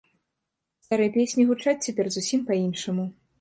Старыя песні гучаць цяпер зусім па-іншаму.